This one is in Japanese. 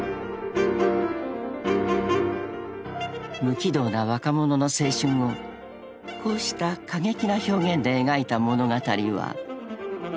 ［無軌道な若者の青春をこうした過激な表現で描いた物語は］